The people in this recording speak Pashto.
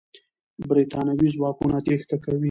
برتانوي ځواکونه تېښته کوي.